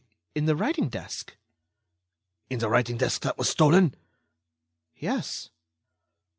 Why, in the writing desk." "In the writing desk that was stolen?" "Yes."